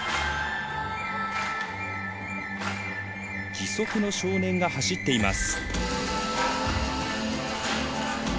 義足の少年が走っています。